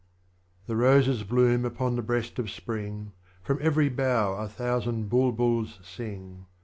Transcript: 3. The Roses bloom upon the breast of Spring, From every bough a thousand Bulbuls sing.